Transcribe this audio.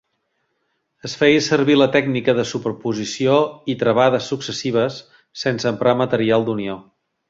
Es feia servir la tècnica de superposició i travades successives sense emprar material d'unió.